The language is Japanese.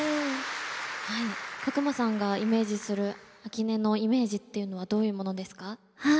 加隈さんがイメージする秋音のイメージっていうのはどういうものですか？